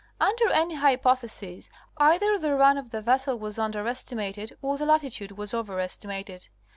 —Under any hypothesis either the run of the vessel was under estimated or the latitude was overestimated.